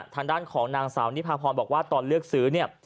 ทางด้านของนางสาวนิพาพรบอกว่าตอนเลือกซื้อเนี่ย